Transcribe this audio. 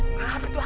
aduh apa itu